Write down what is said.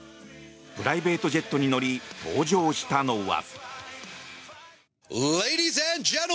プライベートジェットに乗り登場したのは。